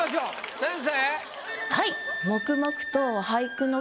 先生。